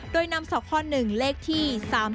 โดยนำส่อข้อหนึ่งเลขที่๓๗๕